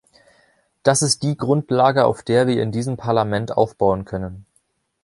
Das ist die Grundlage, auf der wir in diesem Parlament aufbauen können.